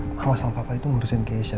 mama sama papa itu ngurusin keisha